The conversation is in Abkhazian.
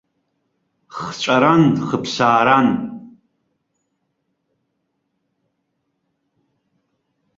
Хҵәаран-хыԥсааран.